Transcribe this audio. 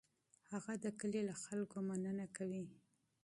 هغه د کلي له خلکو مننه کوي.